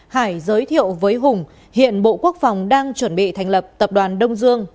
hải giới thiệu với hùng hiện bộ quốc phòng đang chuẩn bị thành lập tập đoàn đông dương